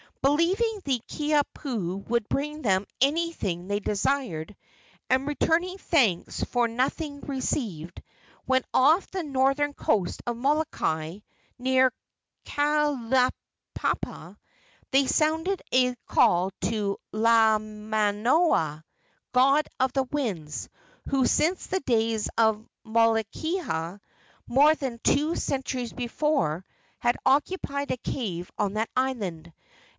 Believing the Kiha pu would bring them anything they desired, and returning thanks for nothing received, when off the northern coast of Molokai, near Kaulapapa, they sounded a call to Laamaomao, god of the winds, who since the days of Moikeha, more than two centuries before, had occupied a cave on that island.